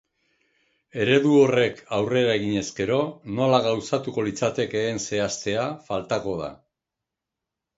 Eredu horrek aurrera eginez gero, nola gauzatuko litzatekeen zehaztea faltako da.